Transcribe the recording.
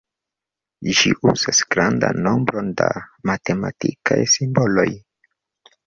Ĝi uzas grandan nombron da matematikaj simboloj.